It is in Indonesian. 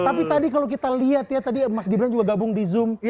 tapi tadi kalau kita lihat ya tadi mas gibran juga gabung di zoom